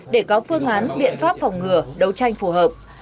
để có phương án biện pháp phòng ngừa đấu tranh phù hợp